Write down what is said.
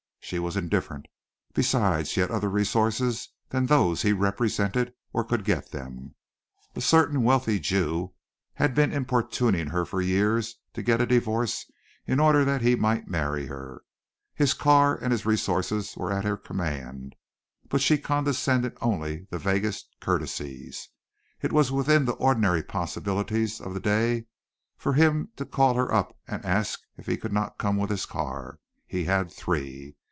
She was indifferent. Besides she had other resources than those he represented, or could get them. A certain wealthy Jew had been importuning her for years to get a divorce in order that he might marry her. His car and his resources were at her command but she condescended only the vaguest courtesies. It was within the ordinary possibilities of the day for him to call her up and ask if he could not come with his car. He had three.